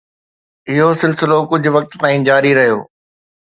اهو سلسلو ڪجهه وقت تائين جاري رهيو.